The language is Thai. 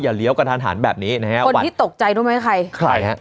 เลี้ยวกระทันหันแบบนี้นะฮะคนที่ตกใจรู้ไหมใครใครฮะ